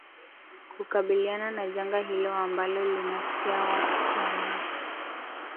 kukabiliana na janga hilo ambalo linatokea wakti ambapo